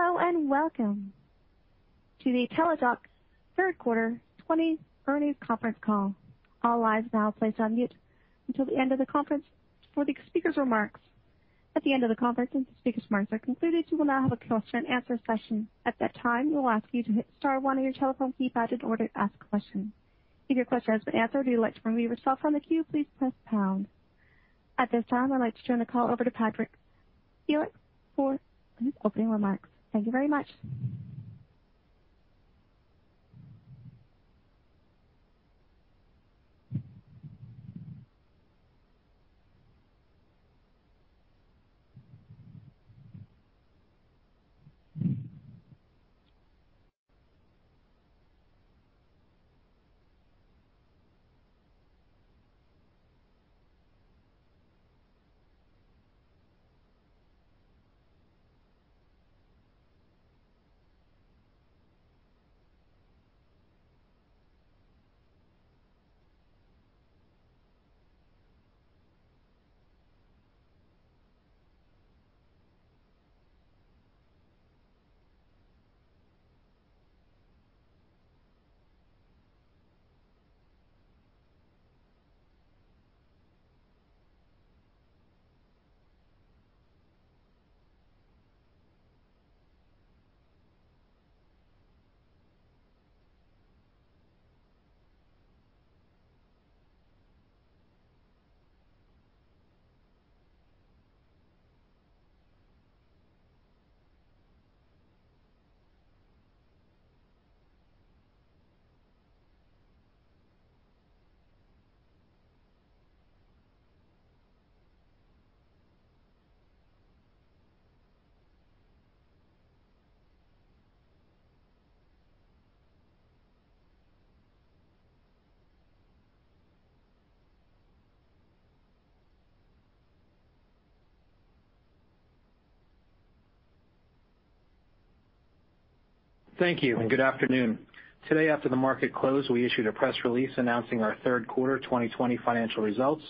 Hello and welcome to the Teladoc third-quarter 2020 earnings conference call. All lines now are placed on mute until the end of the conference speakers remarks. At the end of the conference speaker remarks, we will now have a question-and-answer session. At that time, we will ask you to press star one at your telephone keypad in order to ask a question. If your question has been answered, you may remove yourself from the queue. Please press pound. At this time, I'd like to turn the call over to Patrick Feeley for his opening remarks. Thank you very much. Thank you, and good afternoon. Today, after the market closed, we issued a press release announcing our third quarter 2020 financial results.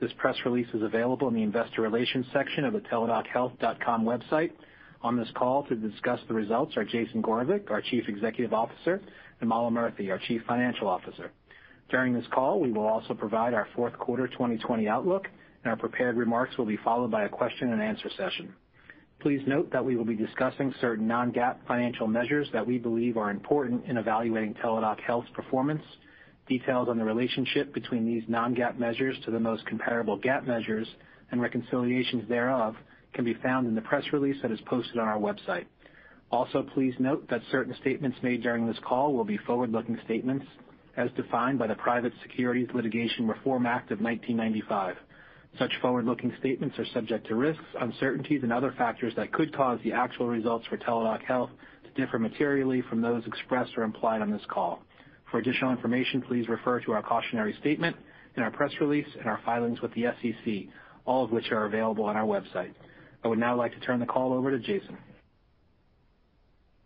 This press release is available in the Investor Relations section of the teladochealth.com website. On this call to discuss the results are Jason Gorevic, our Chief Executive Officer, and Mala Murthy, our Chief Financial Officer. During this call, we will also provide our fourth quarter 2020 outlook, and our prepared remarks will be followed by a question-and-answer session. Please note that we will be discussing certain non-GAAP financial measures that we believe are important in evaluating Teladoc Health's performance. Details on the relationship between these non-GAAP measures to the most comparable GAAP measures and reconciliations thereof can be found in the press release that is posted on our website. Also, please note that certain statements made during this call will be forward-looking statements as defined by the Private Securities Litigation Reform Act of 1995. Such forward-looking statements are subject to risks, uncertainties, and other factors that could cause the actual results for Teladoc Health to differ materially from those expressed or implied on this call. For additional information, please refer to our cautionary statement in our press release and our filings with the SEC, all of which are available on our website. I would now like to turn the call over to Jason.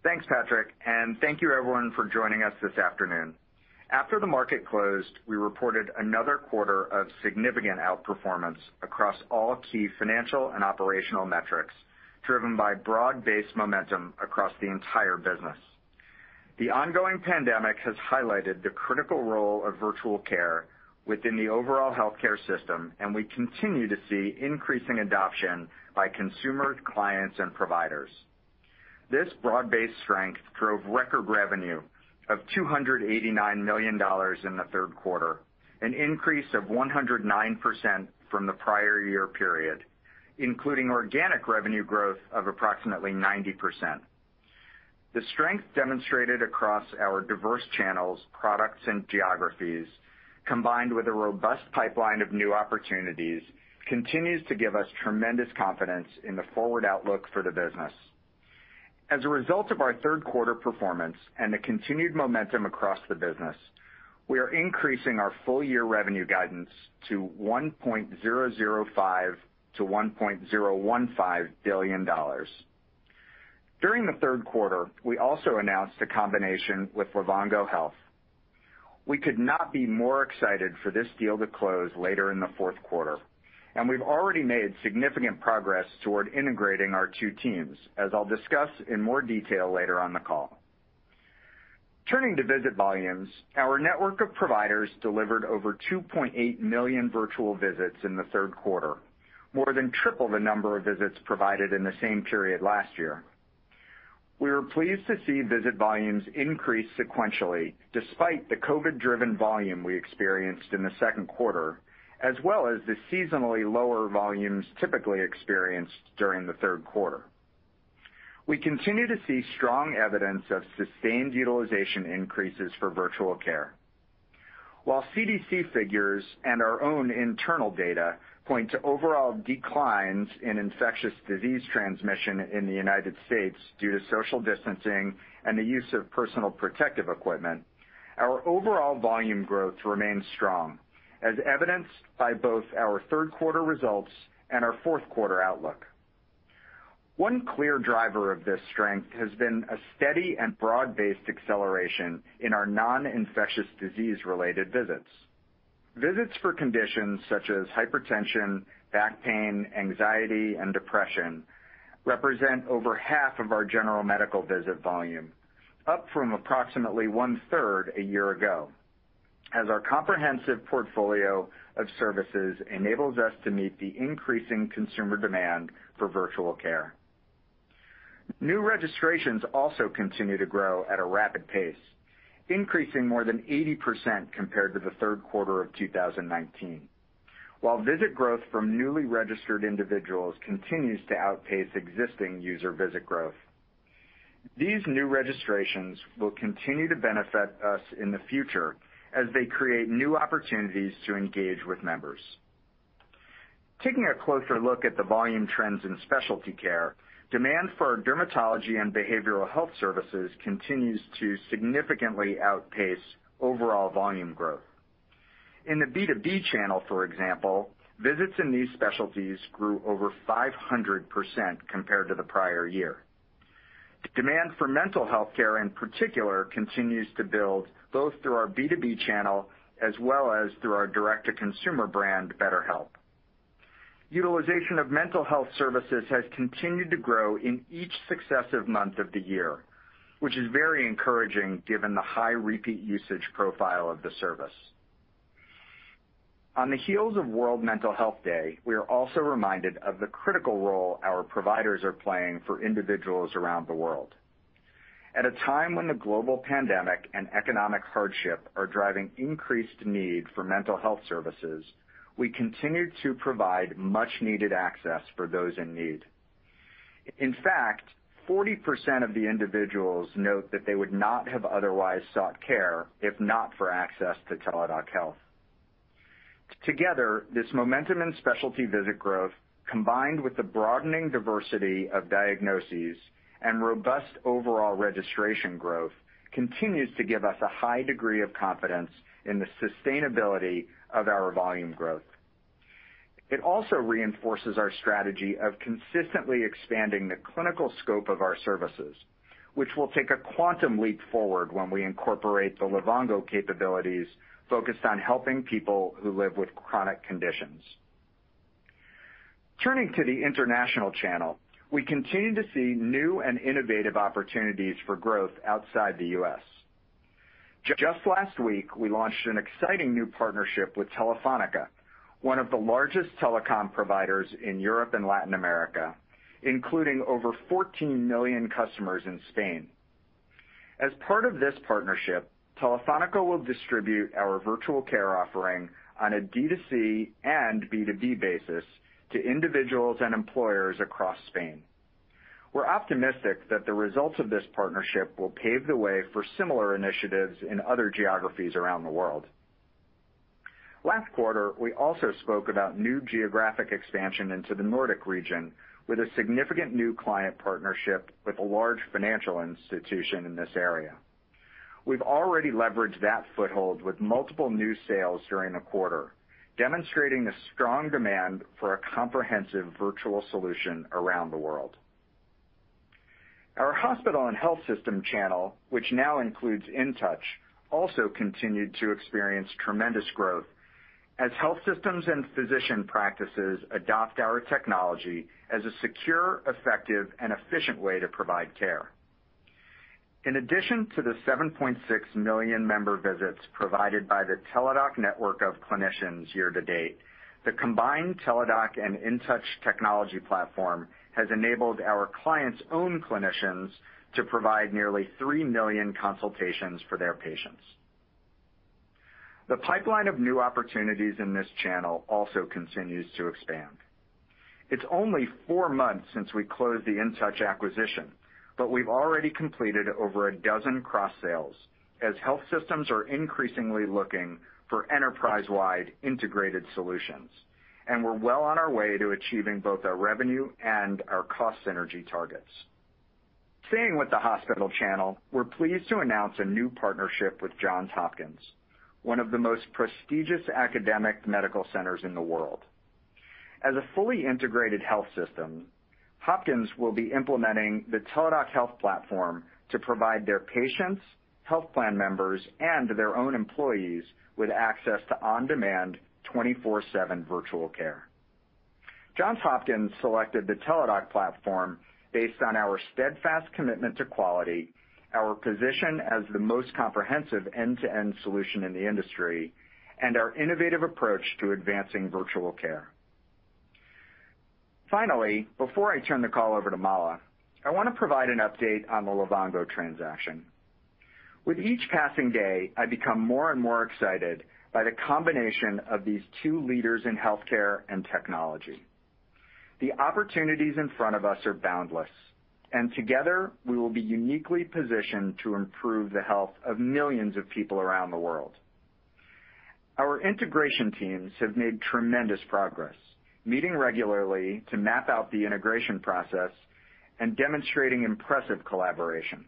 Thanks, Patrick, and thank you everyone for joining us this afternoon. After the market closed, we reported another quarter of significant outperformance across all key financial and operational metrics, driven by broad-based momentum across the entire business. The ongoing pandemic has highlighted the critical role of virtual care within the overall healthcare system, and we continue to see increasing adoption by consumers, clients, and providers. This broad-based strength drove record revenue of $289 million in the third quarter, an increase of 109% from the prior year period, including organic revenue growth of approximately 90%. The strength demonstrated across our diverse channels, products, and geographies, combined with a robust pipeline of new opportunities, continues to give us tremendous confidence in the forward outlook for the business. As a result of our third quarter performance and the continued momentum across the business, we are increasing our full year revenue guidance to $1.005 to $1.015 billion. During the third quarter, we also announced a combination with Livongo Health. We could not be more excited for this deal to close later in the fourth quarter, we've already made significant progress toward integrating our two teams, as I'll discuss in more detail later on the call. Turning to visit volumes, our network of providers delivered over 2.8 million virtual visits in the third quarter, more than triple the number of visits provided in the same period last year. We were pleased to see visit volumes increase sequentially despite the COVID-driven volume we experienced in the second quarter, as well as the seasonally lower volumes typically experienced during the third quarter. We continue to see strong evidence of sustained utilization increases for virtual care. While CDC figures and our own internal data point to overall declines in infectious disease transmission in the United States due to social distancing and the use of personal protective equipment, our overall volume growth remains strong, as evidenced by both our third quarter results and our fourth quarter outlook. One clear driver of this strength has been a steady and broad-based acceleration in our non-infectious disease-related visits. Visits for conditions such as hypertension, back pain, anxiety, and depression represent over half of our general medical visit volume, up from approximately 1/3 a year ago, as our comprehensive portfolio of services enables us to meet the increasing consumer demand for virtual care. New registrations also continue to grow at a rapid pace, increasing more than 80% compared to the third quarter of 2019. While visit growth from newly registered individuals continues to outpace existing user visit growth. These new registrations will continue to benefit us in the future as they create new opportunities to engage with members. Taking a closer look at the volume trends in specialty care, demand for dermatology and behavioral health services continues to significantly outpace overall volume growth. In the B2B channel, for example, visits in these specialties grew over 500% compared to the prior year. Demand for mental healthcare in particular, continues to build both through our B2B channel as well as through our direct-to-consumer brand, BetterHelp. Utilization of mental health services has continued to grow in each successive month of the year, which is very encouraging given the high repeat usage profile of the service. On the heels of World Mental Health Day, we are also reminded of the critical role our providers are playing for individuals around the world. At a time when the global pandemic and economic hardship are driving increased need for mental health services, we continue to provide much-needed access for those in need. In fact, 40% of the individuals note that they would not have otherwise sought care if not for access to Teladoc Health. Together, this momentum and specialty visit growth, combined with the broadening diversity of diagnoses and robust overall registration growth, continues to give us a high degree of confidence in the sustainability of our volume growth. It also reinforces our strategy of consistently expanding the clinical scope of our services, which will take a quantum leap forward when we incorporate the Livongo capabilities focused on helping people who live with chronic conditions. Turning to the international channel, we continue to see new and innovative opportunities for growth outside the U.S. Just last week, we launched an exciting new partnership with Telefónica, one of the largest telecom providers in Europe and Latin America, including over 14 million customers in Spain. As part of this partnership, Telefónica will distribute our virtual care offering on a D2C and B2B basis to individuals and employers across Spain. We're optimistic that the results of this partnership will pave the way for similar initiatives in other geographies around the world. Last quarter, we also spoke about new geographic expansion into the Nordic region with a significant new client partnership with a large financial institution in this area. We've already leveraged that foothold with multiple new sales during the quarter, demonstrating a strong demand for a comprehensive virtual solution around the world. Our hospital and health system channel, which now includes InTouch, also continued to experience tremendous growth as health systems and physician practices adopt our technology as a secure, effective, and efficient way to provide care. In addition to the 7.6 million member visits provided by the Teladoc network of clinicians year to date, the combined Teladoc and InTouch technology platform has enabled our clients' own clinicians to provide nearly 3 million consultations for their patients. The pipeline of new opportunities in this channel also continues to expand. It's only four months since we closed the InTouch acquisition, but we've already completed over a dozen cross-sales as health systems are increasingly looking for enterprise-wide integrated solutions. We're well on our way to achieving both our revenue and our cost synergy targets. Staying with the hospital channel, we're pleased to announce a new partnership with Johns Hopkins, one of the most prestigious academic medical centers in the world. As a fully integrated health system, Hopkins will be implementing the Teladoc Health platform to provide their patients, health plan members, and their own employees with access to on-demand, 24/7 virtual care. Johns Hopkins selected the Teladoc platform based on our steadfast commitment to quality, our position as the most comprehensive end-to-end solution in the industry, and our innovative approach to advancing virtual care. Finally, before I turn the call over to Mala, I want to provide an update on the Livongo transaction. With each passing day, I become more and more excited by the combination of these two leaders in healthcare and technology. The opportunities in front of us are boundless, and together, we will be uniquely positioned to improve the health of millions of people around the world. Our integration teams have made tremendous progress, meeting regularly to map out the integration process and demonstrating impressive collaboration.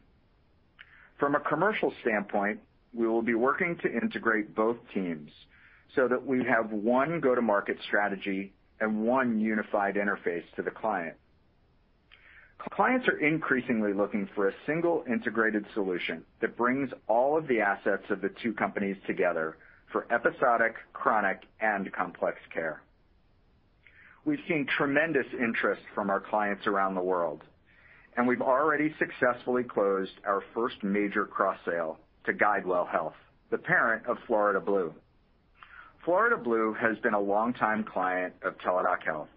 From a commercial standpoint, we will be working to integrate both teams so that we have one go-to-market strategy and one unified interface to the client. Clients are increasingly looking for a single integrated solution that brings all of the assets of the two companies together for episodic, chronic, and complex care. We've seen tremendous interest from our clients around the world, and we've already successfully closed our first major cross sale to GuideWell Health, the parent of Florida Blue. Florida Blue has been a longtime client of Teladoc Health,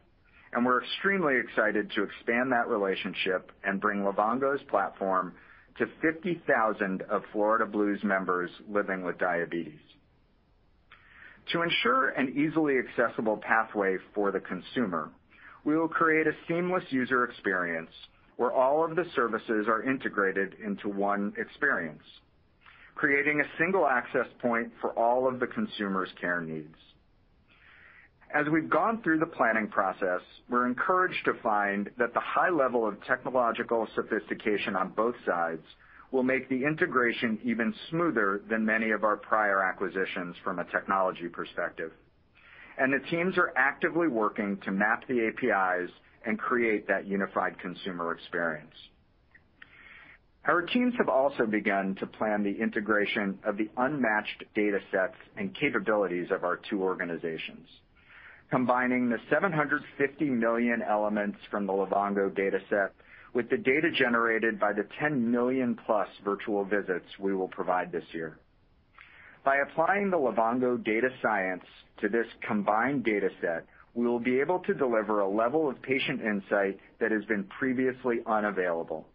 and we're extremely excited to expand that relationship and bring Livongo's platform to 50,000 of Florida Blue's members living with diabetes. To ensure an easily accessible pathway for the consumer, we will create a seamless user experience where all of the services are integrated into one experience, creating a single access point for all of the consumer's care needs. As we've gone through the planning process, we're encouraged to find that the high level of technological sophistication on both sides will make the integration even smoother than many of our prior acquisitions from a technology perspective. The teams are actively working to map the APIs and create that unified consumer experience. Our teams have also begun to plan the integration of the unmatched data sets and capabilities of our two organizations. Combining the 750 million elements from the Livongo data set with the data generated by the 10 million plus virtual visits we will provide this year. By applying the Livongo data science to this combined data set, we will be able to deliver a level of patient insight that has been previously unavailable.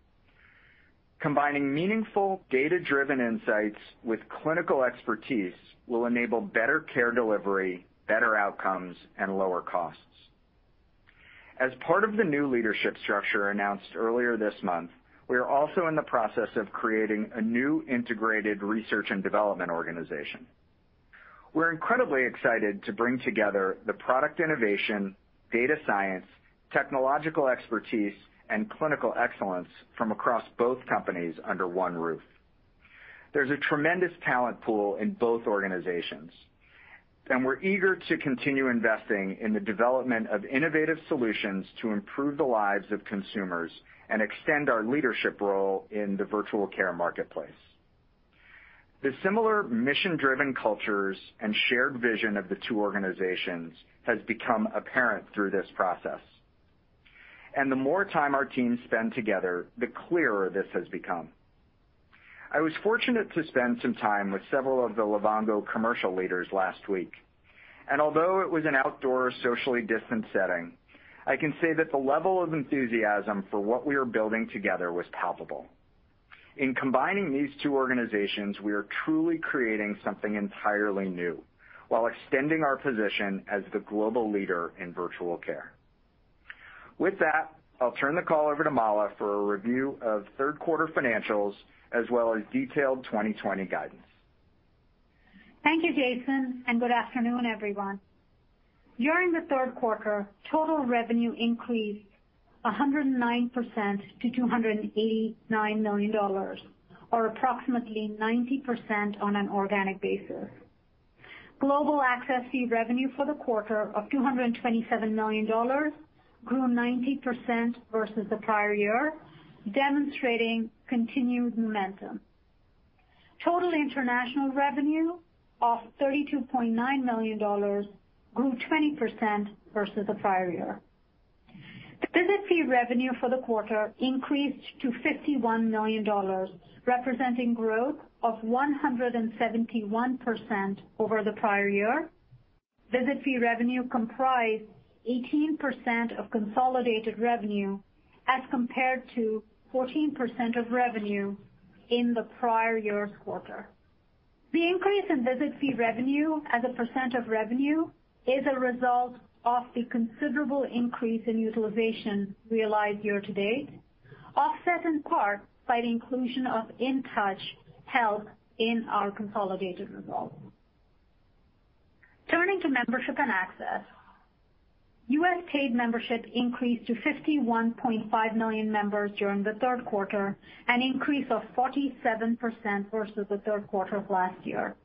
Combining meaningful data-driven insights with clinical expertise will enable better care delivery, better outcomes, and lower costs. As part of the new leadership structure announced earlier this month, we are also in the process of creating a new integrated research and development organization. We're incredibly excited to bring together the product innovation, data science, technological expertise, and clinical excellence from across both companies under one roof. There's a tremendous talent pool in both organizations, and we're eager to continue investing in the development of innovative solutions to improve the lives of consumers and extend our leadership role in the virtual care marketplace. The similar mission-driven cultures and shared vision of the two organizations has become apparent through this process, and the more time our teams spend together, the clearer this has become. I was fortunate to spend some time with several of the Livongo commercial leaders last week, and although it was an outdoor, socially distant setting, I can say that the level of enthusiasm for what we are building together was palpable. In combining these two organizations, we are truly creating something entirely new while extending our position as the global leader in virtual care. With that, I'll turn the call over to Mala for a review of third quarter financials as well as detailed 2020 guidance. Thank you, Jason, and good afternoon, everyone. During the third quarter, total revenue increased 109% to $289 million, or approximately 90% on an an organic basis. Global access fee revenue for the quarter of $227 million grew 19% versus the prior year, demonstrating continued momentum. Total international revenue of $32.9 million grew 20% versus the prior year. The visit fee revenue for the quarter increased to $51 million, representing growth of 171% over the prior year. Visit fee revenue comprised 18% of consolidated revenue as compared to 14% of revenue in the prior year's quarter. The increase in visit fee revenue as a percent of revenue is a result of the considerable increase in utilization realized year to date, offset in part by the inclusion of InTouch Health in our consolidated results. Turning to membership and access. U.S. paid membership increased to 51.5 million members during the third quarter, an increase of 47% versus the third quarter of last year.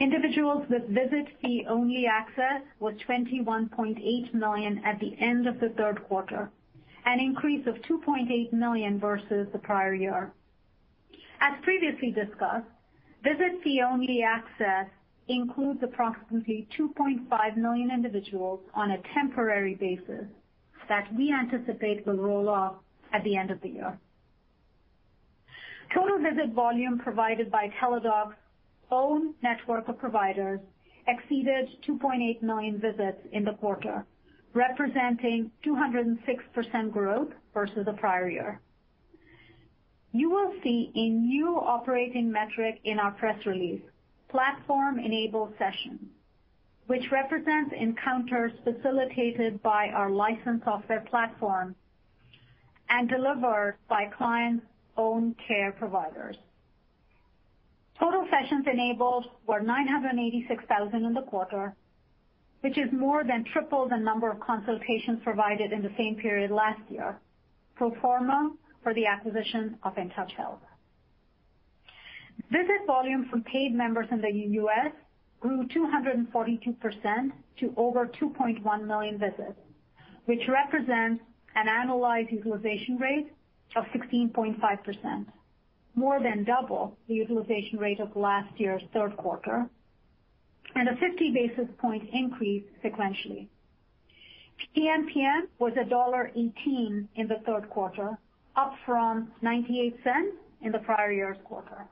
Individuals with visit fee-only access was 21.8 million at the end of the third quarter, an increase of 2.8 million versus the prior year. As previously discussed, visit fee-only access includes approximately 2.5 million individuals on a temporary basis that we anticipate will roll off at the end of the year. Total visit volume provided by Teladoc's own network of providers exceeded 2.8 million visits in the quarter, representing 206% growth versus the prior year. You will see a new operating metric in our press release, platform-enabled sessions, which represents encounters facilitated by our licensed software platform and delivered by clients' own care providers. Total sessions enabled were 986,000 in the quarter, which is more than triple the number of consultations provided in the same period last year, pro forma for the acquisition of InTouch Health. Visit volume from paid members in the U.S. grew 242% to over 2.1 million visits, which represents an annualized utilization rate of 16.5%, more than double the utilization rate of last year's third quarter, and a 50 basis point increase sequentially. PMPM was $1.18 in the third quarter, up from $0.98 in the prior year's quarter.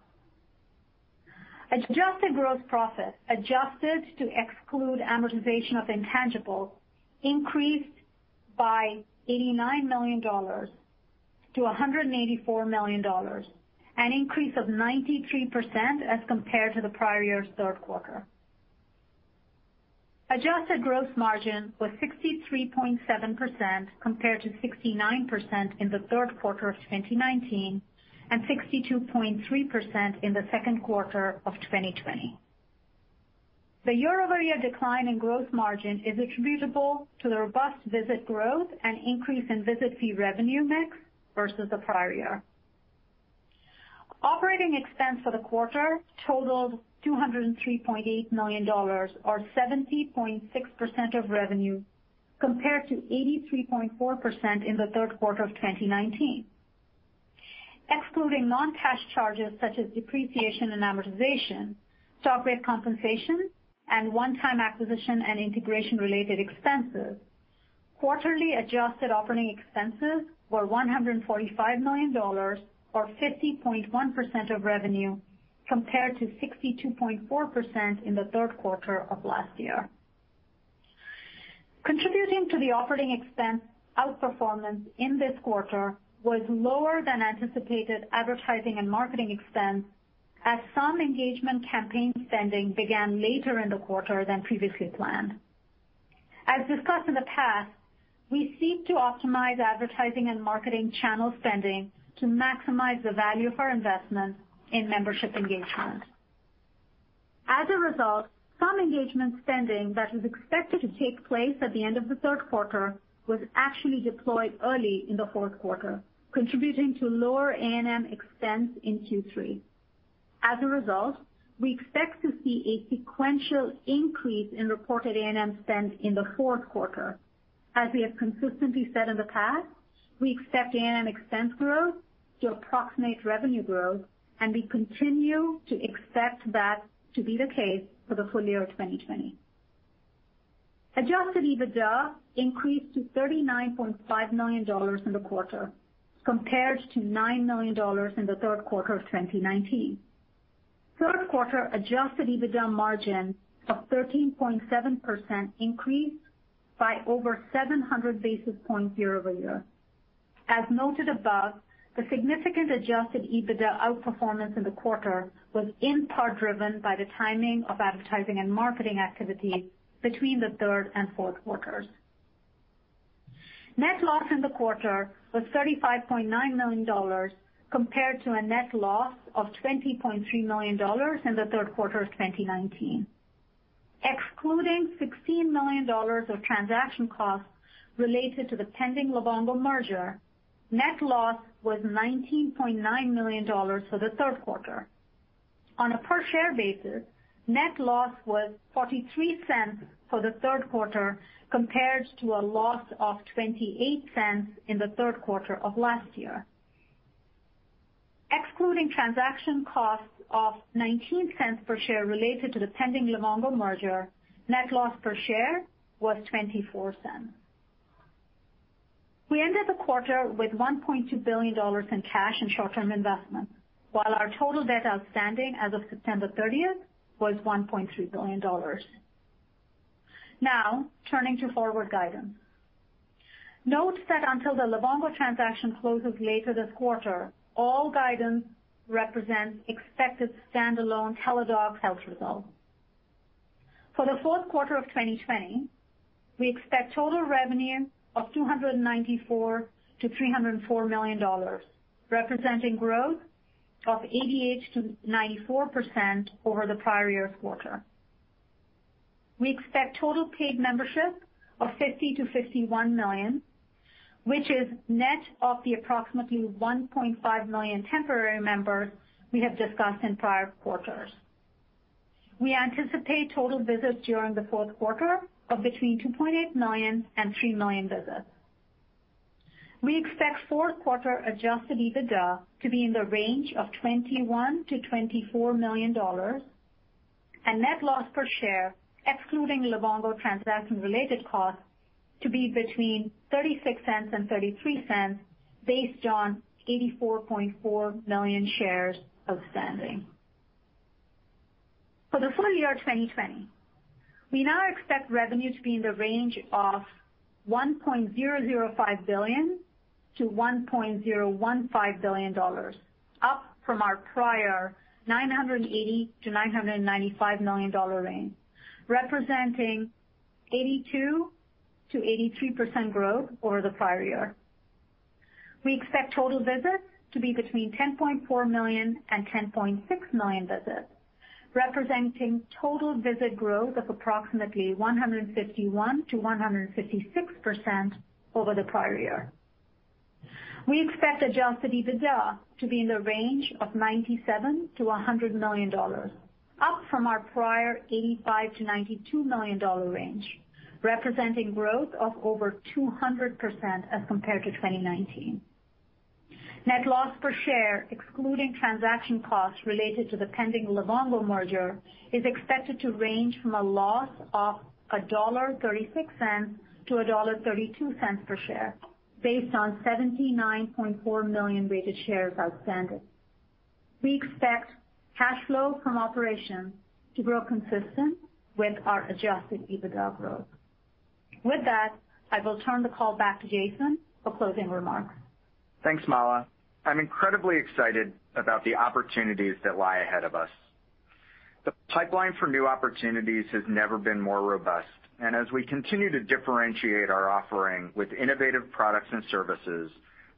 Adjusted gross profit, adjusted to exclude amortization of intangibles, increased by $89 million to $184 million, an increase of 93% as compared to the prior year's third quarter. Adjusted gross margin was 63.7%, compared to 69% in the third quarter of 2019, and 62.3% in the second quarter of 2020. The year-over-year decline in gross margin is attributable to the robust visit growth and increase in visit fee revenue mix versus the prior year. Operating expense for the quarter totaled $203.8 million, or 70.6% of revenue, compared to 83.4% in the third quarter of 2019. Excluding non-cash charges such as depreciation and amortization, stock-based compensation, and one-time acquisition and integration-related expenses, quarterly adjusted operating expenses were $145 million, or 50.1% of revenue, compared to 62.4% in the third quarter of last year. Contributing to the operating expense outperformance in this quarter was lower than anticipated advertising and marketing expense as some engagement campaign spending began later in the quarter than previously planned. As discussed in the past, we seek to optimize advertising and marketing channel spending to maximize the value of our investments in membership engagement. As a result, some engagement spending that was expected to take place at the end of the third quarter was actually deployed early in the fourth quarter, contributing to lower A&M expense in Q3. As a result, we expect to see a sequential increase in reported A&M spend in the fourth quarter. As we have consistently said in the past, we expect A&M expense growth to approximate revenue growth, and we continue to expect that to be the case for the full year of 2020. Adjusted EBITDA increased to $39.5 million in the quarter, compared to $9 million in the third quarter of 2019. Third quarter adjusted EBITDA margin of 13.7% increased by over 700 basis points year-over-year. As noted above, the significant adjusted EBITDA outperformance in the quarter was in part driven by the timing of advertising and marketing activity between the third and fourth quarters. Net loss in the quarter was $35.9 million, compared to a net loss of $20.3 million in the third quarter of 2019. Excluding $16 million of transaction costs related to the pending Livongo merger, net loss was $19.9 million for the third quarter. On a per share basis, net loss was $0.43 for the third quarter, compared to a loss of $0.28 in the third quarter of last year. Excluding transaction costs of $0.19 per share related to the pending Livongo merger, net loss per share was $0.24. We ended the quarter with $1.2 billion in cash and short-term investments, while our total debt outstanding as of September 30th was $1.3 billion. Now, turning to forward guidance. Note that until the Livongo transaction closes later this quarter, all guidance represents expected standalone Teladoc Health results. For the fourth quarter of 2020, we expect total revenue of $294 million-$304 million, representing growth of 88%-94% over the prior year's quarter. We expect total paid membership of 50 million-51 million, which is net of the approximately 1.5 million temporary members we have discussed in prior quarters. We anticipate total visits during the fourth quarter of between 2.8 million and 3 million visits. We expect fourth quarter adjusted EBITDA to be in the range of $21 million-$24 million, and net loss per share, excluding Livongo transaction-related costs, to be between $0.36 and $0.33 based on 84.4 million shares outstanding. For the full year 2020, we now expect revenue to be in the range of $1.005 billion-$1.015 billion, up from our prior $980 million-$995 million range, representing 82%-83% growth over the prior year. We expect total visits to be between 10.4 million and 10.6 million visits, representing total visit growth of approximately 151%-156% over the prior year. We expect adjusted EBITDA to be in the range of $97 million-$100 million, up from our prior $85 million-$92 million range, representing growth of over 200% as compared to 2019. Net loss per share, excluding transaction costs related to the pending Livongo merger, is expected to range from a loss of $1.36-$1.32 per share, based on 79.4 million weighted shares outstanding. We expect cash flow from operations to grow consistent with our adjusted EBITDA growth. With that, I will turn the call back to Jason for closing remarks. Thanks, Mala. I'm incredibly excited about the opportunities that lie ahead of us. The pipeline for new opportunities has never been more robust, and as we continue to differentiate our offering with innovative products and services,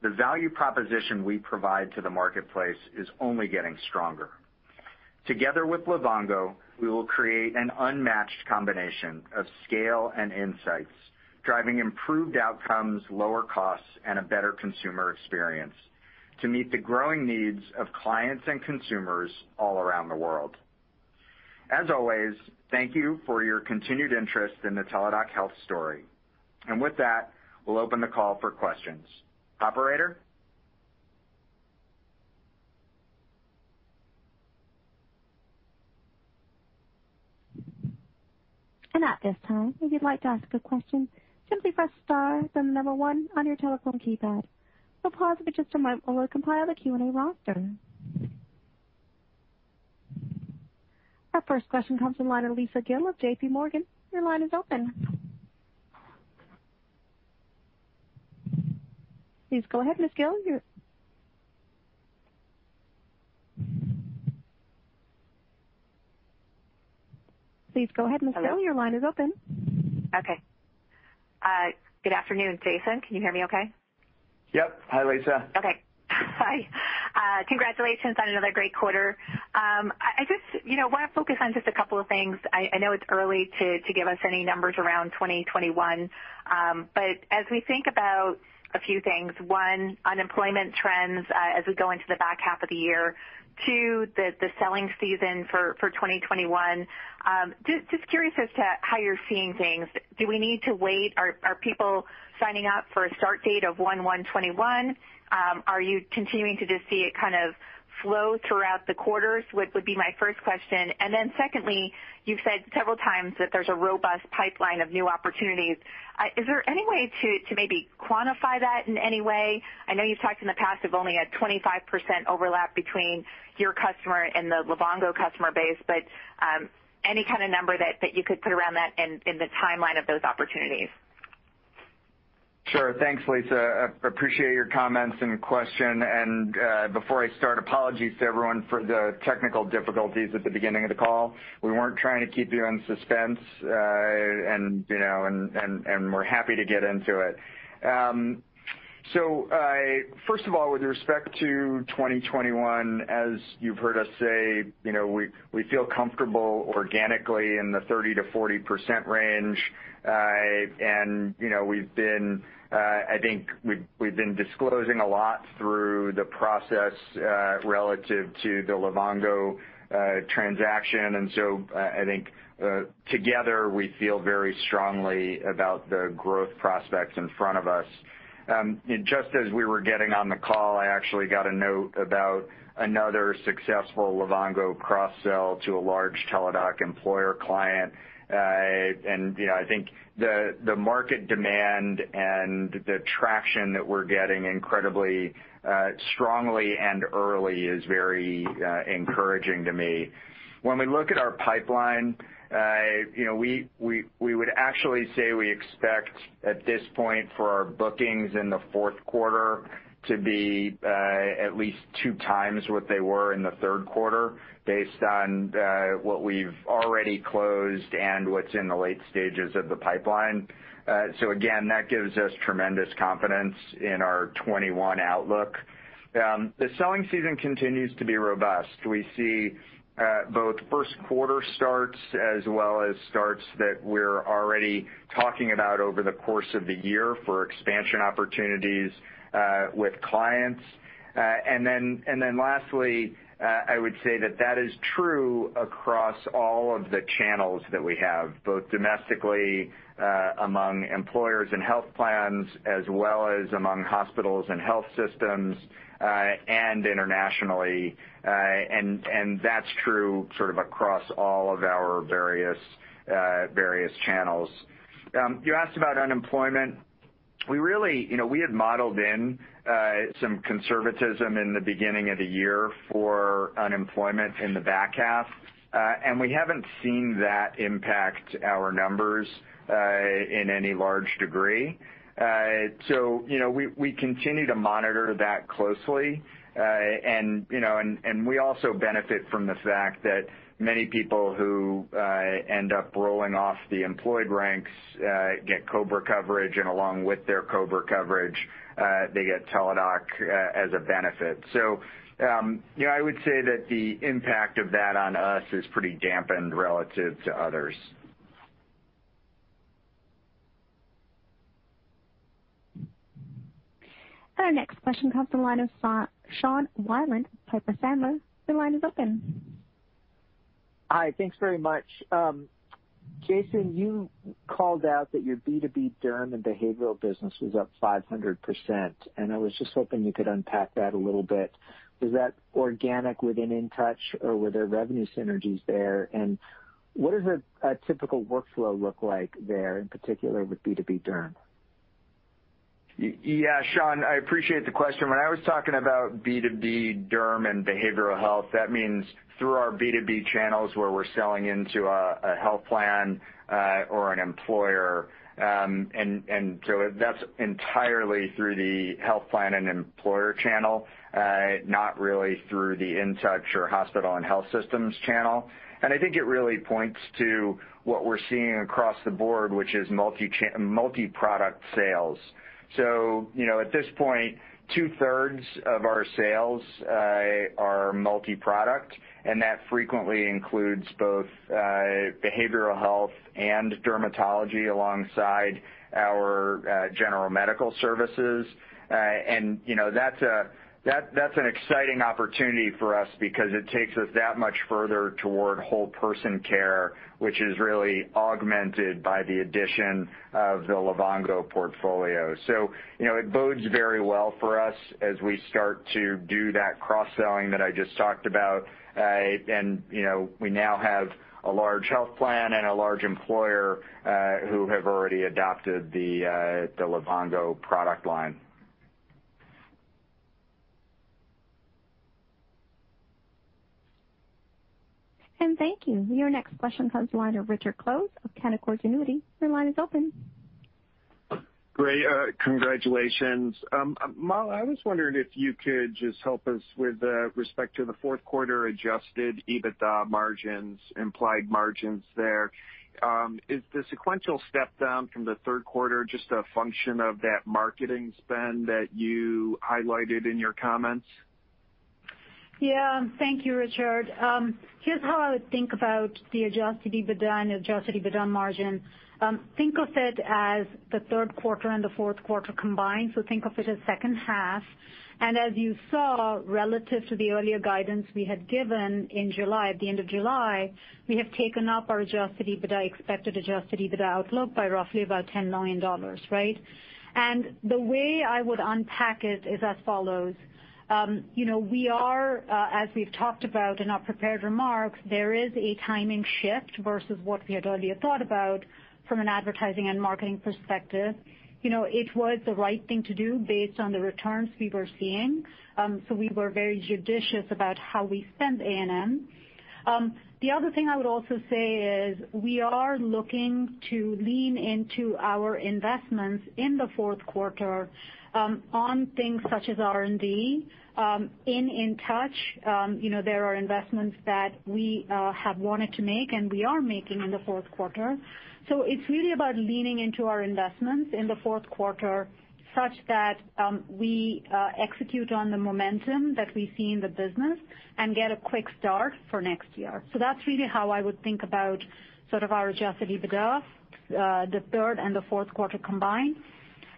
the value proposition we provide to the marketplace is only getting stronger. Together with Livongo, we will create an unmatched combination of scale and insights, driving improved outcomes, lower costs, and a better consumer experience to meet the growing needs of clients and consumers all around the world. As always, thank you for your continued interest in the Teladoc Health story. With that, we'll open the call for questions. Operator? At this time, if you'd like to ask a question, simply press star, then the number one on your telephone keypad. We'll pause for just a moment while we compile the Q&A roster. Our first question comes from the line of Lisa Gill with JPMorgan. Your line is open. Please go ahead, Ms. Gill. Hello. Your line is open. Okay. Good afternoon, Jason. Can you hear me okay? Yep. Hi, Lisa. Okay. Hi. Congratulations on another great quarter. I just want to focus on just a couple of things. I know it's early to give us any numbers around 2021. As we think about a few things, one, unemployment trends, as we go into the back half of the year. Two, the selling season for 2021. Just curious as to how you're seeing things. Do we need to wait? Are people signing up for a start date of 01/01/2021? Are you continuing to just see it kind of flow throughout the quarters? Would be my first question. Secondly, you've said several times that there's a robust pipeline of new opportunities. Is there any way to maybe quantify that in any way? I know you've talked in the past of only a 25% overlap between your customer and the Livongo customer base, but any kind of number that you could put around that and the timeline of those opportunities? Sure. Thanks, Lisa. Appreciate your comments and question. Before I start, apologies to everyone for the technical difficulties at the beginning of the call. We weren't trying to keep you in suspense, and we're happy to get into it. First of all, with respect to 2021, as you've heard us say, we feel comfortable organically in the 30%-40% range. I think we've been disclosing a lot through the process relative to the Livongo transaction. I think together, we feel very strongly about the growth prospects in front of us. Just as we were getting on the call, I actually got a note about another successful Livongo cross-sell to a large Teladoc employer client. I think the market demand and the traction that we're getting incredibly strongly and early is very encouraging to me. When we look at our pipeline, we would actually say we expect, at this point, for our bookings in the fourth quarter to be at least 2x what they were in the third quarter, based on what we've already closed and what's in the late stages of the pipeline. Again, that gives us tremendous confidence in our 2021 outlook. The selling season continues to be robust. We see both first-quarter starts as well as starts that we're already talking about over the course of the year for expansion opportunities with clients. Lastly, I would say that that is true across all of the channels that we have, both domestically among employers and health plans, as well as among hospitals and health systems, and internationally. That's true sort of across all of our various channels. You asked about unemployment. We had modeled in some conservatism in the beginning of the year for unemployment in the back half, and we haven't seen that impact our numbers in any large degree. We continue to monitor that closely, and we also benefit from the fact that many people who end up rolling off the employed ranks get COBRA coverage, and along with their COBRA coverage, they get Teladoc as a benefit. I would say that the impact of that on us is pretty dampened relative to others. Our next question comes from the line of Sean Wieland of Piper Sandler. Your line is open. Hi. Thanks very much. Jason, you called out that your B2B derm and behavioral business was up 500%. I was just hoping you could unpack that a little bit. Is that organic within InTouch, or were there revenue synergies there? What does a typical workflow look like there, in particular with B2B derm? Yeah, Sean, I appreciate the question. When I was talking about B2B derm and behavioral health, that means through our B2B channels, where we're selling into a health plan or an employer. That's entirely through the health plan and employer channel, not really through the InTouch or hospital and health systems channel. I think it really points to what we're seeing across the board, which is multi-product sales. At this point, 2/3 of our sales are multi-product, and that frequently includes both behavioral health and dermatology alongside our general medical services. That's an exciting opportunity for us because it takes us that much further toward whole person care, which is really augmented by the addition of the Livongo portfolio. It bodes very well for us as we start to do that cross-selling that I just talked about. We now have a large health plan and a large employer, who have already adopted the Livongo product line. Thank you. Your next question comes from the line of Richard Close of Canaccord Genuity. Great. Congratulations. Mala, I was wondering if you could just help us with respect to the fourth quarter adjusted EBITDA margins, implied margins there. Is the sequential step-down from the third quarter just a function of that marketing spend that you highlighted in your comments? Yeah. Thank you, Richard. Here's how I would think about the adjusted EBITDA and adjusted EBITDA margin. Think of it as the third quarter and the fourth quarter combined, so think of it as second half. As you saw, relative to the earlier guidance we had given in July, at the end of July, we have taken up our expected adjusted EBITDA outlook by roughly about $10 million, right? The way I would unpack it is as follows. As we've talked about in our prepared remarks, there is a timing shift versus what we had earlier thought about from an advertising and marketing perspective. It was the right thing to do based on the returns we were seeing, so we were very judicious about how we spent A&M. The other thing I would also say is, we are looking to lean into our investments in the fourth quarter, on things such as R&D. In InTouch, there are investments that we have wanted to make and we are making in the fourth quarter. It's really about leaning into our investments in the fourth quarter, such that we execute on the momentum that we see in the business and get a quick start for next year. That's really how I would think about sort of our adjusted EBITDA, the third and the fourth quarter combined.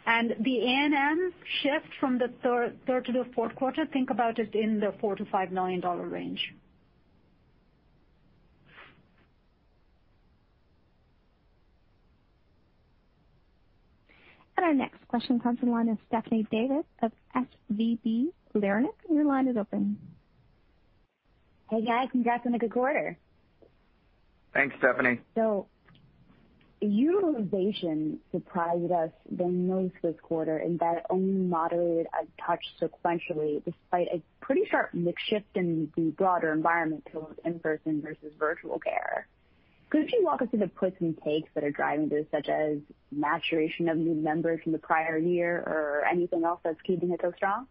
The A&M shift from the third to the fourth quarter, think about it in the $4 million-$5 million range. Our next question comes from the line of Stephanie Davis of SVB Leerink. Your line is open. Hey, guys, congrats on a good quarter. Thanks, Stephanie. Utilization surprised us the most this quarter in that it only moderated a touch sequentially despite a pretty sharp mix shift in the broader environment towards in-person versus virtual care. Could you walk us through the puts and takes that are driving this, such as maturation of new members from the prior year or anything else that's keeping it so strong?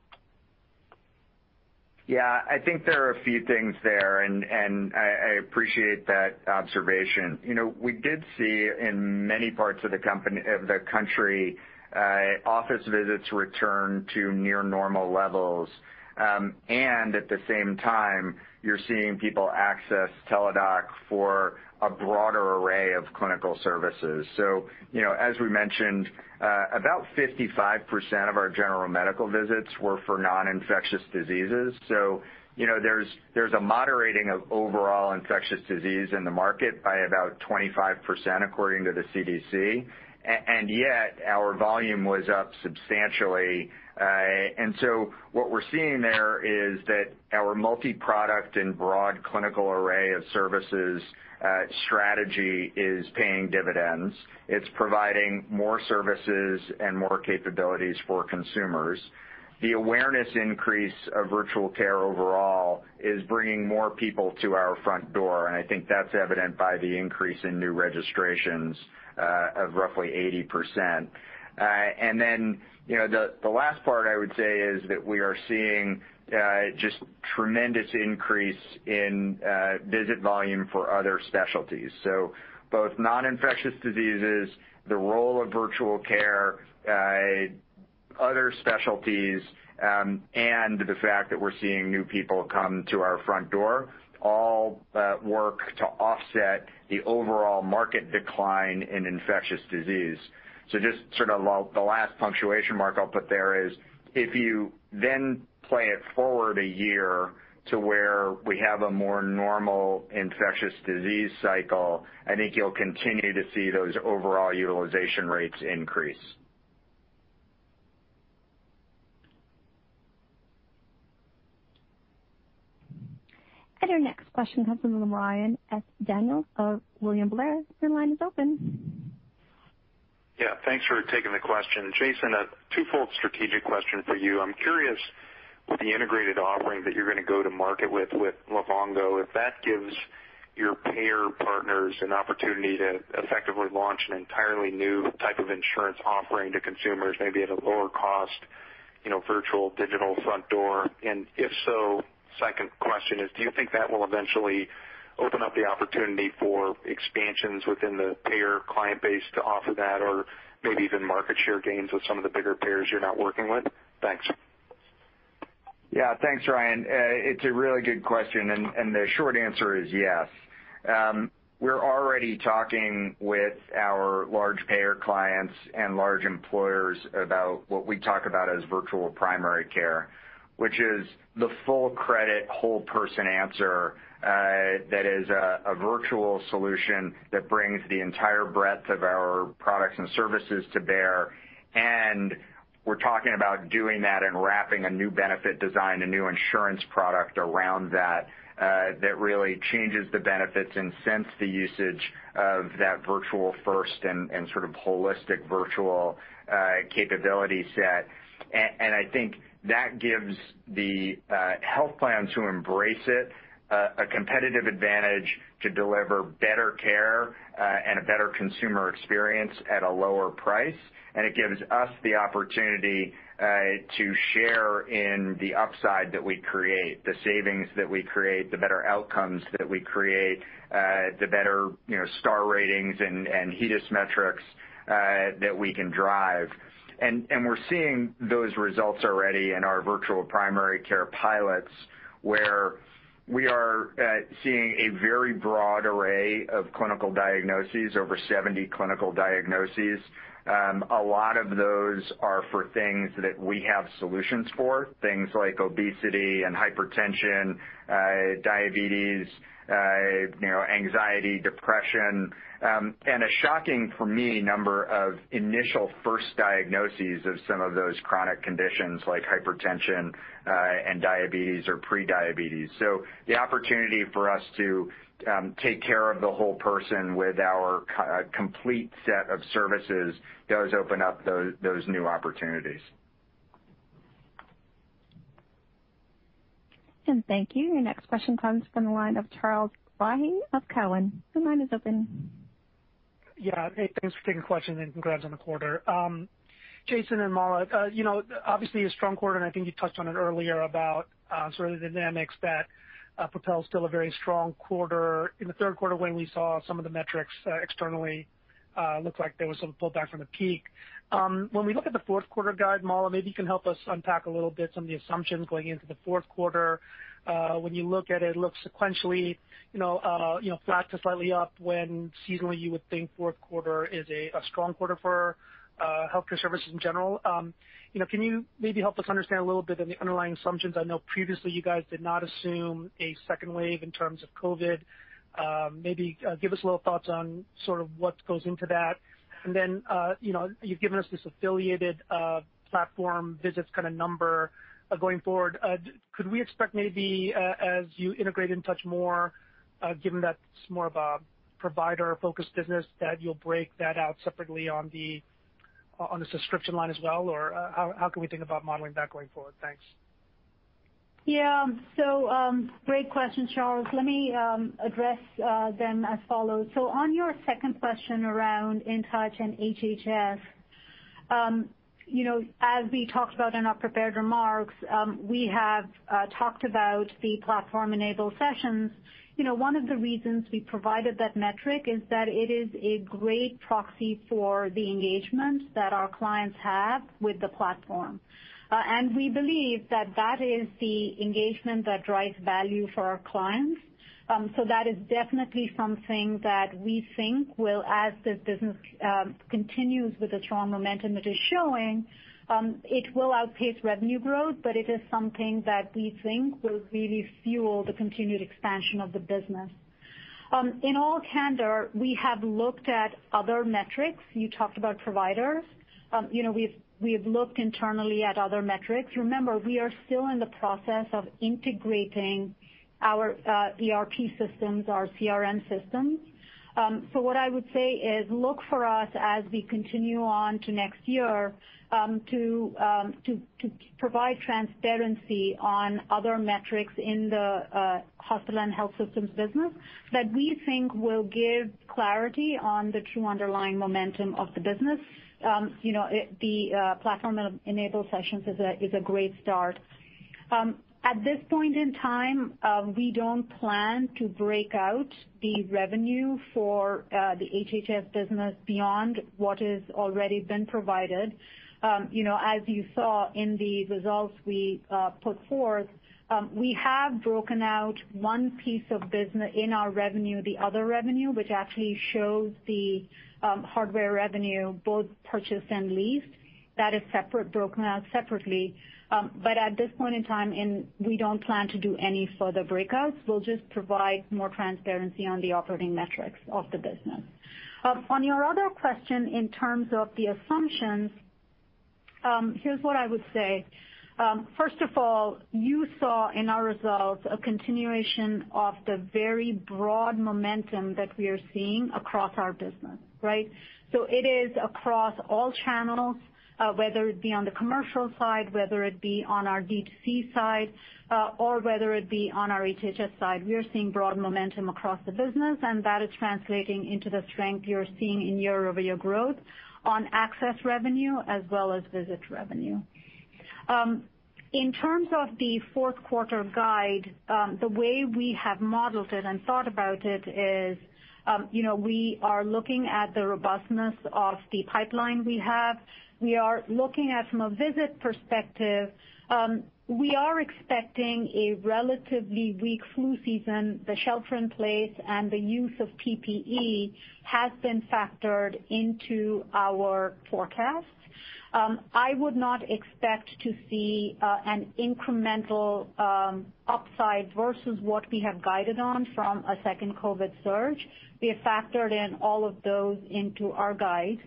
Yeah. I think there are a few things there, and I appreciate that observation. We did see, in many parts of the country, office visits return to near normal levels. At the same time, you're seeing people access Teladoc for a broader array of clinical services. As we mentioned, about 55% of our general medical visits were for non-infectious diseases. There's a moderating of overall infectious disease in the market by about 25%, according to the CDC. Yet our volume was up substantially. What we're seeing there is that our multi-product and broad clinical array of services strategy is paying dividends. It's providing more services and more capabilities for consumers. The awareness increase of virtual care overall is bringing more people to our front door, and I think that's evident by the increase in new registrations of roughly 80%. The last part I would say is that we are seeing just tremendous increase in visit volume for other specialties. Both non-infectious diseases, the role of virtual care, other specialties, and the fact that we're seeing new people come to our front door, all work to offset the overall market decline in infectious disease. Just sort of the last punctuation mark I'll put there is, if you then play it forward a year to where we have a more normal infectious disease cycle, I think you'll continue to see those overall utilization rates increase. Our next question comes from Ryan S. Daniels of William Blair. Your line is open. Yeah. Thanks for taking the question. Jason, a twofold strategic question for you. I'm curious, with the integrated offering that you're going to go to market with Livongo, if that gives your payer partners an opportunity to effectively launch an entirely new type of insurance offering to consumers, maybe at a lower cost, virtual, digital front door. If so, second question is, do you think that will eventually open up the opportunity for expansions within the payer client base to offer that, or maybe even market share gains with some of the bigger payers you're not working with? Thanks. Yeah, thanks, Ryan. It's a really good question, and the short answer is yes. We're already talking with our large payer clients and large employers about what we talk about as virtual primary care, which is the full credit, whole-person answer, that is a virtual solution that brings the entire breadth of our products and services to bear. We're talking about doing that and wrapping a new benefit design, a new insurance product around that really changes the benefits and incentivizes the usage of that virtual first and sort of holistic virtual capability set. I think that gives the health plans who embrace it, a competitive advantage to deliver better care, and a better consumer experience at a lower price. It gives us the opportunity to share in the upside that we create, the savings that we create, the better outcomes that we create, the better star ratings and HEDIS metrics that we can drive. We're seeing those results already in our virtual primary care pilots, where we are seeing a very broad array of clinical diagnoses, over 70 clinical diagnoses. A lot of those are for things that we have solutions for, things like obesity and hypertension, diabetes, anxiety, depression, and a shocking, for me, number of initial first diagnoses of some of those chronic conditions, like hypertension, and diabetes or pre-diabetes. The opportunity for us to take care of the whole person with our complete set of services does open up those new opportunities. Thank you. Your next question comes from the line of Charles Rhyee of Cowen. Hey, thanks for taking the question, and congrats on the quarter. Jason and Mala, obviously a strong quarter, and I think you touched on it earlier about sort of the dynamics that propel still a very strong quarter. In the third quarter when we saw some of the metrics externally, looked like there was some pullback from the peak. When we look at the fourth quarter guide, Mala, maybe you can help us unpack a little bit some of the assumptions going into the fourth quarter. When you look at it looks sequentially flat to slightly up when seasonally you would think fourth quarter is a strong quarter for healthcare services in general. Can you maybe help us understand a little bit on the underlying assumptions? I know previously you guys did not assume a second wave in terms of COVID. Maybe give us a little thoughts on sort of what goes into that. You've given us this affiliated platform visits kind of number going forward. Could we expect maybe, as you integrate InTouch more, given that it's more of a provider-focused business, that you'll break that out separately on the subscription line as well, or how can we think about modeling that going forward? Thanks. Yeah. Great question, Charles. Let me address them as follows. On your second question around InTouch and HHS. As we talked about in our prepared remarks, we have talked about the platform-enabled sessions. One of the reasons we provided that metric is that it is a great proxy for the engagement that our clients have with the platform. We believe that that is the engagement that drives value for our clients. That is definitely something that we think will, as this business continues with the strong momentum it is showing, it will outpace revenue growth, but it is something that we think will really fuel the continued expansion of the business. In all candor, we have looked at other metrics. You talked about providers. We've looked internally at other metrics. Remember, we are still in the process of integrating our ERP systems, our CRM systems. What I would say is look for us as we continue on to next year, to provide transparency on other metrics in the hospital and health systems business that we think will give clarity on the true underlying momentum of the business. The platform-enabled sessions is a great start. At this point in time, we don't plan to break out the revenue for the HHS business beyond what has already been provided. As you saw in the results we put forth, we have broken out one piece of business in our revenue, the other revenue, which actually shows the hardware revenue, both purchased and leased. That is broken out separately. At this point in time, we don't plan to do any further breakouts. We'll just provide more transparency on the operating metrics of the business. On your other question, in terms of the assumptions, here's what I would say. First of all, you saw in our results a continuation of the very broad momentum that we are seeing across our business. Right? It is across all channels, whether it be on the commercial side, whether it be on our D2C side, or whether it be on our HHS side. We are seeing broad momentum across the business, and that is translating into the strength you're seeing in year-over-year growth on access revenue, as well as visit revenue. In terms of the fourth quarter guide, the way we have modeled it and thought about it is, we are looking at the robustness of the pipeline we have. We are looking at, from a visit perspective, we are expecting a relatively weak flu season. The shelter in place and the use of PPE has been factored into our forecast. I would not expect to see an incremental upside versus what we have guided on from a second COVID surge. We have factored in all of those into our guide.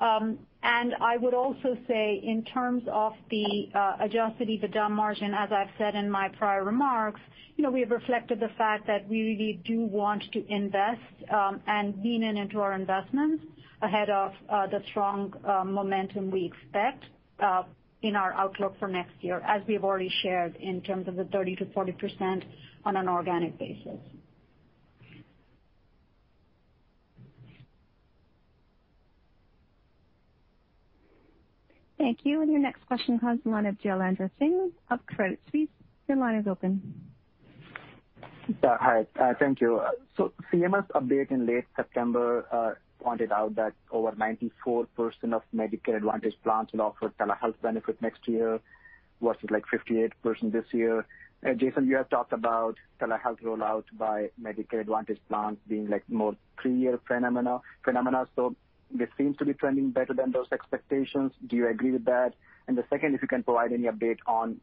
I would also say, in terms of the adjusted EBITDA margin, as I've said in my prior remarks, we have reflected the fact that we really do want to invest and lean in into our investments ahead of the strong momentum we expect in our outlook for next year, as we've already shared in terms of the 30%-40% on an organic basis. Thank you. Your next question comes on the line of Jailendra Singh of Credit Suisse. Your line is open. Hi. Thank you. CMS update in late September pointed out that over 94% of Medicare Advantage plans will offer telehealth benefit next year, versus 58% this year. Jason, you have talked about telehealth rollout by Medicare Advantage plans being more clear phenomena. This seems to be trending better than those expectations. Do you agree with that? The second, if you can provide any update on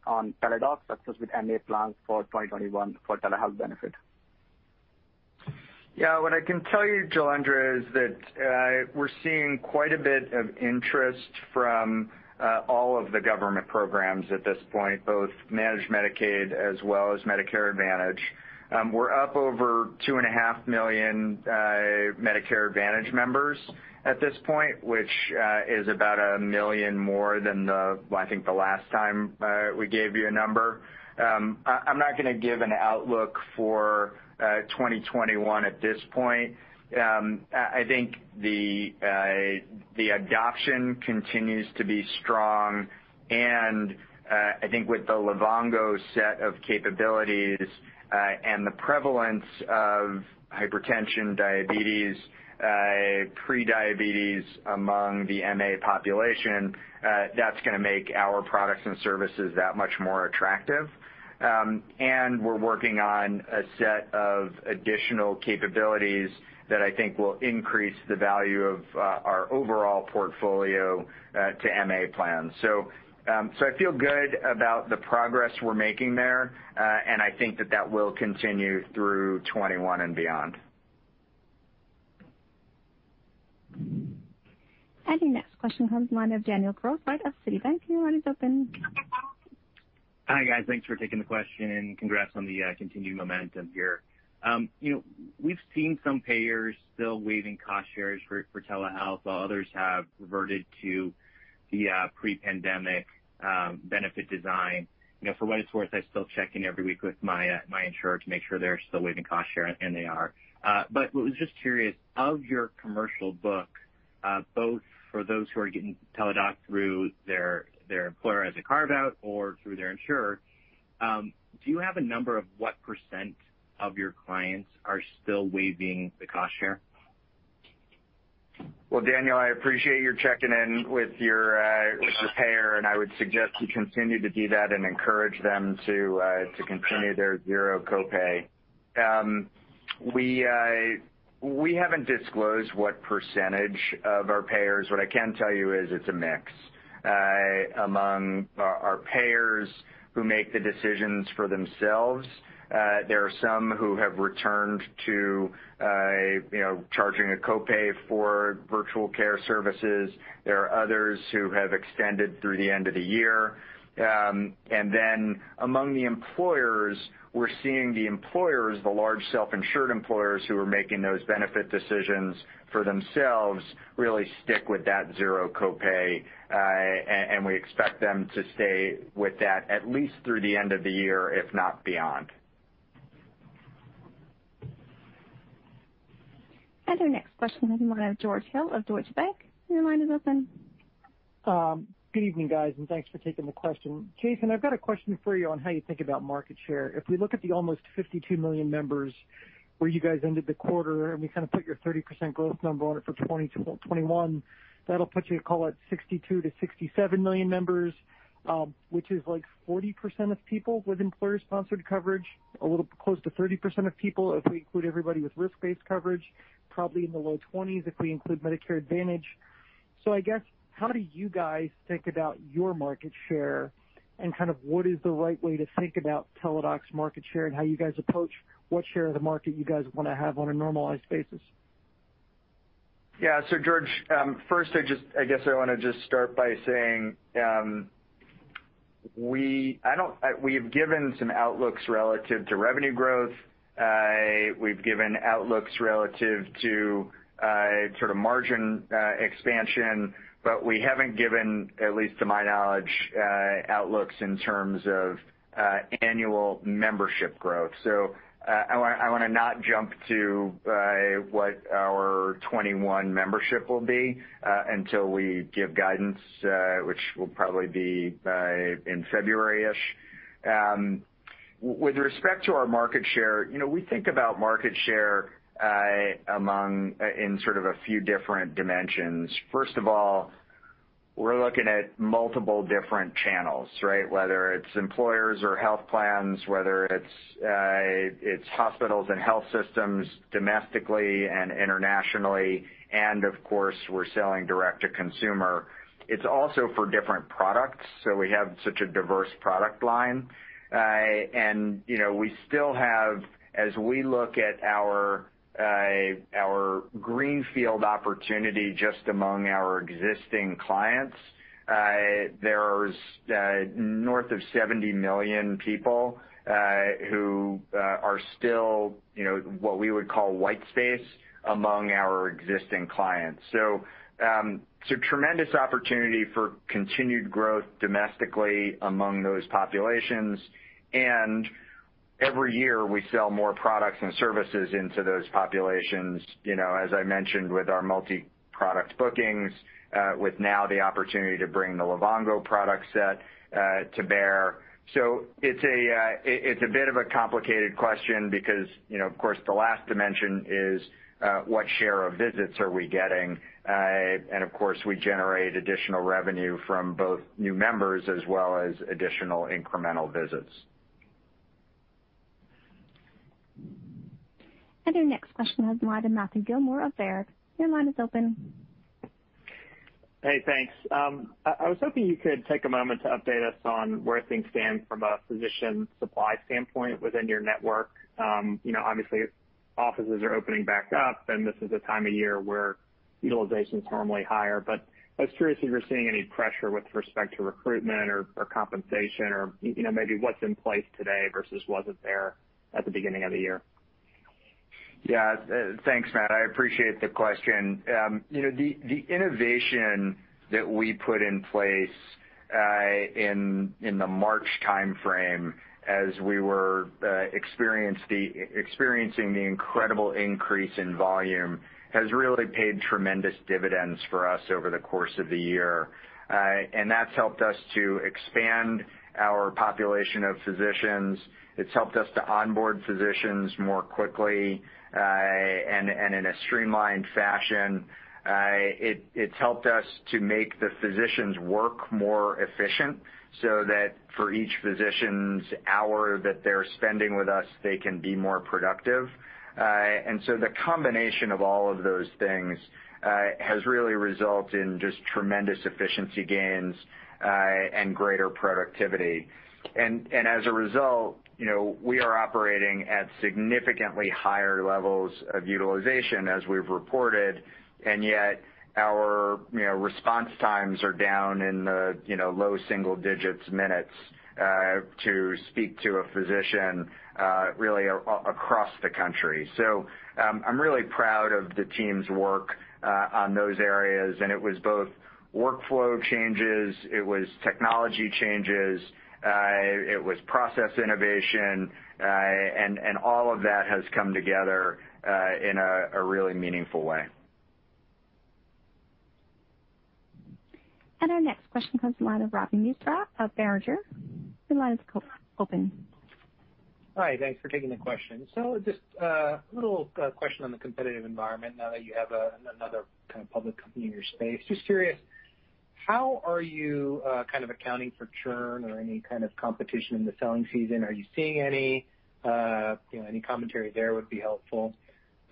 Teladoc success with MA plans for 2021 for telehealth benefit. Yeah. What I can tell you, Jailendra, is that we're seeing quite a bit of interest from all of the government programs at this point, both Managed Medicaid as well as Medicare Advantage. We're up over 2.5 million Medicare Advantage members at this point, which is about 1 million more than, I think, the last time we gave you a number. I'm not going to give an outlook for 2021 at this point. I think the adoption continues to be strong, and I think with the Livongo set of capabilities and the prevalence of hypertension, diabetes, pre-diabetes among the MA population, that's going to make our products and services that much more attractive. We're working on a set of additional capabilities that I think will increase the value of our overall portfolio to MA plans. I feel good about the progress we're making there, and I think that that will continue through 2021 and beyond. Your next question comes from the line of Daniel Grosslight of Citibank. Your line is open. Hi, guys. Thanks for taking the question, and congrats on the continued momentum here. We've seen some payers still waiving cost shares for telehealth, while others have reverted to the pre-pandemic benefit design. For what it's worth, I still check in every week with my insurer to make sure they're still waiving cost share, and they are. Was just curious, of your commercial book, both for those who are getting Teladoc through their employer as a carve-out or through their insurer, do you have a number of what percent of your clients are still waiving the cost share? Well, Daniel, I appreciate your checking in with your payer, and I would suggest you continue to do that and encourage them to continue their zero copay. We haven't disclosed what percentage of our payers. What I can tell you is it's a mix. Among our payers who make the decisions for themselves, there are some who have returned to charging a copay for virtual care services. There are others who have extended through the end of the year. Among the employers, we're seeing the employers, the large self-insured employers who are making those benefit decisions for themselves, really stick with that zero copay, and we expect them to stay with that at least through the end of the year, if not beyond. Our next question has come out of George Hill of Deutsche Bank. Your line is open. Good evening, guys, thanks for taking the question. Jason, I've got a question for you on how you think about market share. If we look at the almost 52 million members where you guys ended the quarter, and we put your 30% growth number on it for 2021, that'll put you at, call it 62 million-67 million members, which is 40% of people with employer-sponsored coverage, a little close to 30% of people if we include everybody with risk-based coverage, probably in the low 20s if we include Medicare Advantage. I guess, how do you guys think about your market share, and what is the right way to think about Teladoc's market share and how you guys approach what share of the market you guys want to have on a normalized basis? Yeah. George, first, I guess I want to just start by saying, we have given some outlooks relative to revenue growth. We've given outlooks relative to margin expansion, but we haven't given, at least to my knowledge, outlooks in terms of annual membership growth. I want to not jump to what our 2021 membership will be until we give guidance, which will probably be in February-ish. With respect to our market share, we think about market share in a few different dimensions. First of all, we're looking at multiple different channels, right? Whether it's employers or health plans, whether it's hospitals and health systems domestically and internationally, and of course, we're selling direct to consumer. It's also for different products, we have such a diverse product line. We still have, as we look at our greenfield opportunity just among our existing clients, there's north of 70 million people who are still what we would call white space among our existing clients. Tremendous opportunity for continued growth domestically among those populations. Every year we sell more products and services into those populations. As I mentioned, with our multi-product bookings, with now the opportunity to bring the Livongo product set to bear. It's a bit of a complicated question because, of course, the last dimension is, what share of visits are we getting? Of course, we generate additional revenue from both new members as well as additional incremental visits. Our next question comes live from Matthew Gillmor of Baird. Your line is open. Hey, thanks. I was hoping you could take a moment to update us on where things stand from a physician supply standpoint within your network. Offices are opening back up, and this is a time of year where utilization's normally higher. I was curious if you're seeing any pressure with respect to recruitment or compensation or maybe what's in place today versus was it there at the beginning of the year? Thanks, Matt. I appreciate the question. The innovation that we put in place in the March timeframe as we were experiencing the incredible increase in volume, has really paid tremendous dividends for us over the course of the year. That's helped us to expand our population of physicians. It's helped us to onboard physicians more quickly, and in a streamlined fashion. It's helped us to make the physicians' work more efficient, so that for each physician's hour that they're spending with us, they can be more productive. The combination of all of those things has really resulted in just tremendous efficiency gains, and greater productivity. As a result, we are operating at significantly higher levels of utilization as we've reported, and yet our response times are down in the low single digits minutes, to speak to a physician really across the country. I'm really proud of the team's work on those areas, and it was both workflow changes, it was technology changes, it was process innovation, and all of that has come together in a really meaningful way. Our next question comes from the line of Ravi Misra of Berenberg. Your line is open. Hi, thanks for taking the question. Just a little question on the competitive environment now that you have another kind of public company in your space. Just curious, how are you accounting for churn or any kind of competition in the selling season? Are you seeing any? Any commentary there would be helpful.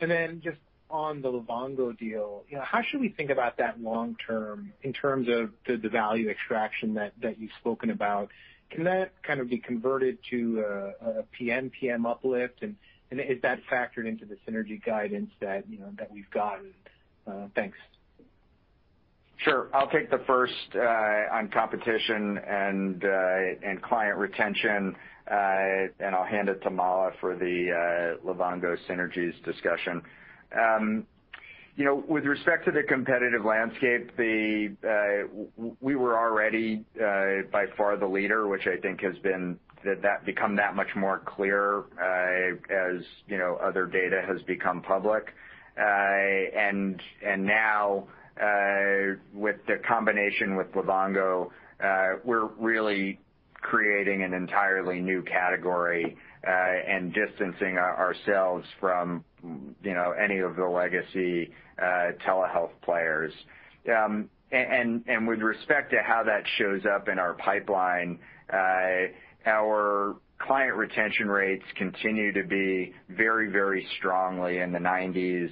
Just on the Livongo deal, how should we think about that long term in terms of the value extraction that you've spoken about? Can that kind of be converted to a PMPM uplift, and is that factored into the synergy guidance that we've gotten? Thanks. Sure. I'll take the first on competition and client retention, and I'll hand it to Mala for the Livongo synergies discussion. With respect to the competitive landscape, we were already by far the leader, which I think has become that much more clear as other data has become public. Now, with the combination with Livongo, we're really creating an entirely new category, and distancing ourselves from any of the legacy telehealth players. With respect to how that shows up in our pipeline, our client retention rates continue to be very strongly in the 90s.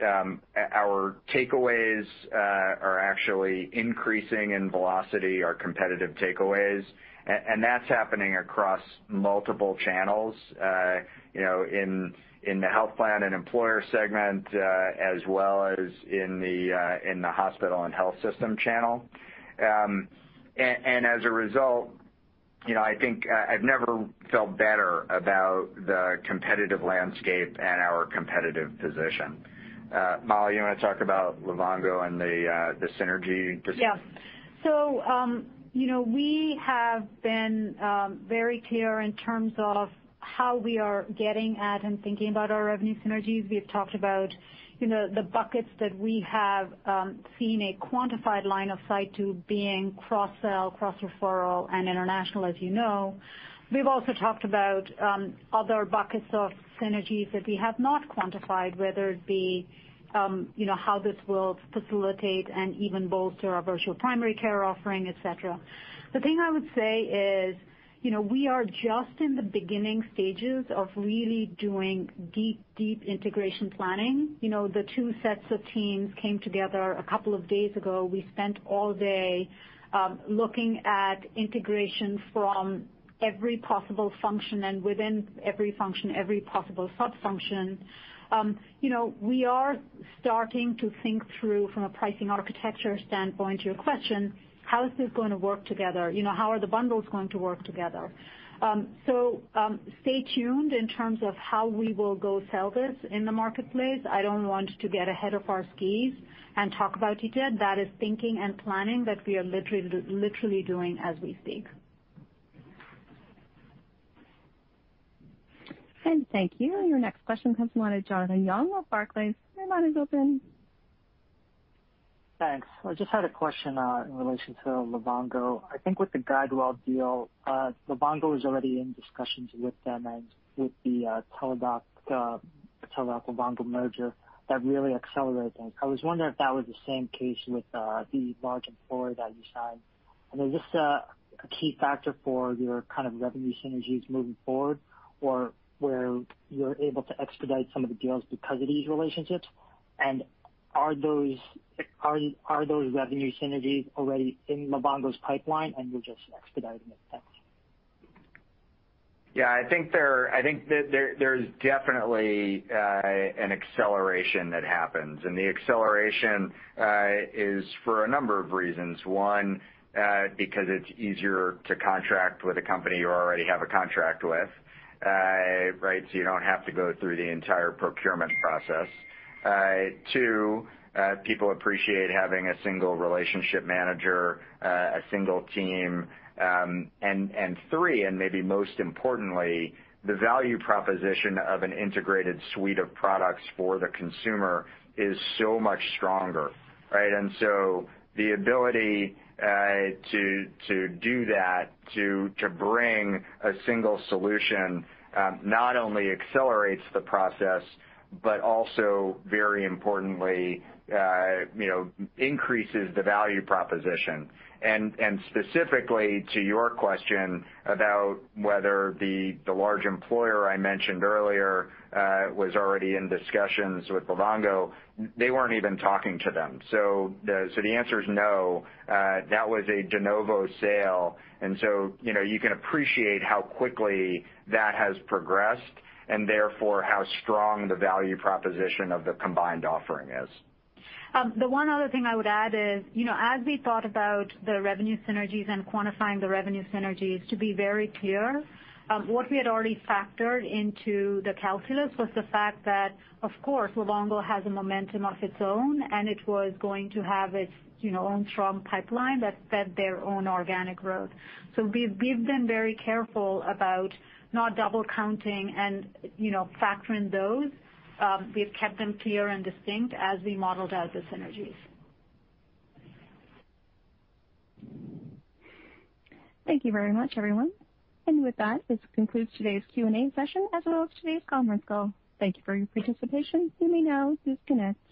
Our takeaways are actually increasing in velocity, our competitive takeaways, and that's happening across multiple channels, in the health plan and employer segment, as well as in the hospital and health system channel. As a result, I think I've never felt better about the competitive landscape and our competitive position. Mala, you want to talk about Livongo and the synergy discussion? We have been very clear in terms of how we are getting at and thinking about our revenue synergies. We have talked about the buckets that we have seen a quantified line of sight to being cross-sell, cross-referral, and international, as you know. We've also talked about other buckets of synergies that we have not quantified, whether it be how this will facilitate and even bolster our virtual primary care offering, et cetera. The thing I would say is, we are just in the beginning stages of really doing deep integration planning. The two sets of teams came together a couple of days ago. We spent all day looking at integration from every possible function, and within every function, every possible sub-function. We are starting to think through, from a pricing architecture standpoint to your question, how is this going to work together? How are the bundles going to work together? Stay tuned in terms of how we will go sell this in the marketplace. I don't want to get ahead of our skis and talk about it yet. That is thinking and planning that we are literally doing as we speak. Thank you. Your next question comes from the line of Jonathan Yong with Barclays. Your line is open. Thanks. I just had a question in relation to Livongo. I think with the GuideWell deal, Livongo was already in discussions with them and with the Teladoc-Livongo merger, that really accelerated things. I was wondering if that was the same case with the large employer that you signed, is this a key factor for your kind of revenue synergies moving forward, or where you're able to expedite some of the deals because of these relationships? Are those revenue synergies already in Livongo's pipeline, and you're just expediting it? Thanks. Yeah, I think there's definitely an acceleration that happens. The acceleration is for a number of reasons. One, because it's easier to contract with a company you already have a contract with. You don't have to go through the entire procurement process. Two, people appreciate having a single relationship manager, a single team. Three, and maybe most importantly, the value proposition of an integrated suite of products for the consumer is so much stronger, right? The ability to do that, to bring a single solution, not only accelerates the process, but also very importantly, increases the value proposition. Specifically to your question about whether the large employer I mentioned earlier was already in discussions with Livongo, they weren't even talking to them. The answer is no. That was a de novo sale, and so you can appreciate how quickly that has progressed, and therefore, how strong the value proposition of the combined offering is. The one other thing I would add is, as we thought about the revenue synergies and quantifying the revenue synergies, to be very clear, what we had already factored into the calculus was the fact that, of course, Livongo has a momentum of its own, and it was going to have its own strong pipeline that fed their own organic growth. We've been very careful about not double counting and factoring those. We've kept them clear and distinct as we modeled out the synergies. Thank you very much, everyone. With that, this concludes today's Q&A session, as well as today's conference call. Thank you for your participation. You may now disconnect.